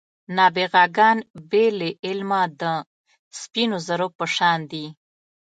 نابغه ګان بې له علمه د سپینو زرو په شان دي.